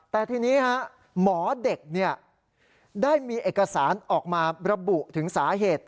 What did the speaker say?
แต่ทีนี้หมอเด็กได้มีเอกสารออกมาระบุถึงสาเหตุ